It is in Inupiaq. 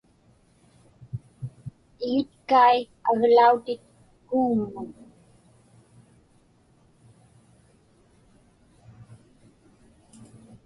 Igitkai aglautit kuuŋmun.